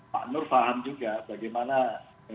pak nur paham juga bagaimana